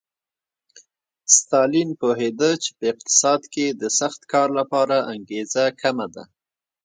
ستالین پوهېده چې په اقتصاد کې د سخت کار لپاره انګېزه کمه ده